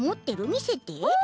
みせて。